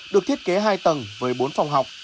được thiết kế hai tầng với bốn phòng học